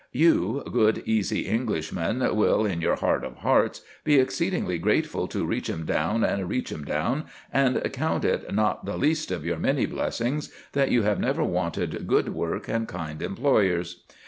You, good, easy Englishman, will, in your heart of hearts, be exceedingly grateful to Reachemdown & Reachemdown, and count it not the least of your many blessings that you have never wanted good work and kind employers.